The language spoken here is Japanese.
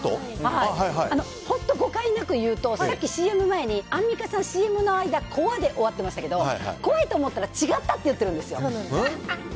本当、誤解なく言うとさっきＣＭ前にアンミカさん、ＣＭの間怖いって言ってましたけど怖いと思ったら違ったって言ってるんですよ。